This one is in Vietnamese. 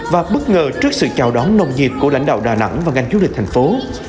và bất ngờ trước sự chào đón nồng nhiệt của lãnh đạo đà nẵng và ngành du lịch thành phố